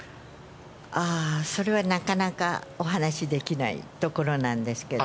ああ、それはなかなかお話しできないところなんですけども。